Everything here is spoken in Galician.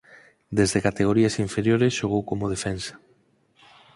Desde categorías inferiores xogou como defensa.